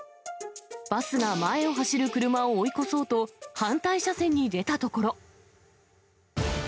バスが前を走る車を追い越そうと、反対車線に出たところ。